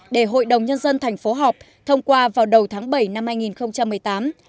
để hội đồng nhân dân thành phố họp thông qua vào đầu tháng bảy năm hai nghìn một mươi tám